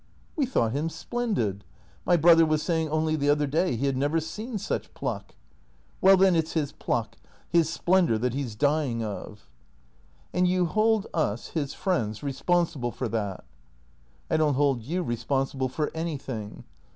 "We thought him splendid. My brother was saying only the other day he had never seen such pluck." "Well, then, it's his pluck — his splendour that he's dy ing of." " And you hold us, his friends, responsible for that ?"" I don't hold you responsible for anything."